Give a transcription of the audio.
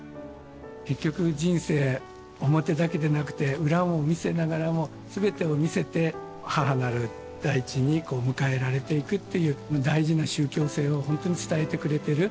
結局人生表だけでなくて裏も見せながらも全てを見せて母なる大地にこう迎えられていくっていう大事な宗教性をほんとに伝えてくれてる。